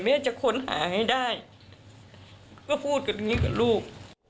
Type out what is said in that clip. นี่จะค้นหาให้ได้ก็พูดแบบนี้กับลูก